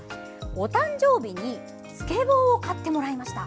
お誕生日にスケボーを買ってもらいました。